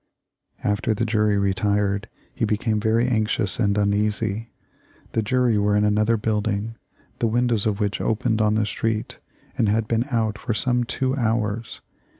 After the jury retired he became very anxious and uneasy. The jury were in another building, the windows of which opened on the street, and had been out for some two hours.